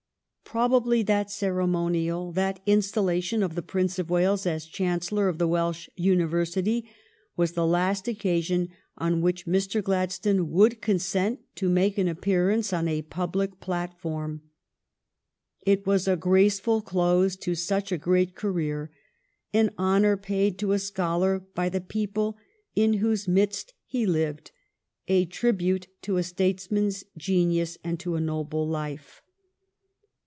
Probably that ceremonial, that installation of the Prince of Wales as Chancellor of the Welsh University, was the last occasion on which Mr. Gladstone would con sent to make an appearance on a public platform. It was a graceful close to such a great career ; an honor paid to a scholar by the people in whose midst he lived; a tribute to a statesman's genius and to a noble life.